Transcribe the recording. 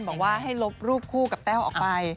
บอกว่าให้ลบรูปคู่กับแต้วออกไป